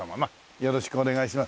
よろしくお願いします。